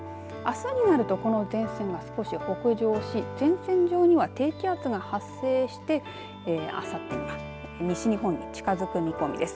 朝になるとこの前線が少し北上し前線上には低気圧が発生してあさってには西日本に近づく見込みです。